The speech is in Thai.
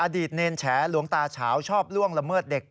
เนรแฉหลวงตาเฉาชอบล่วงละเมิดเด็ก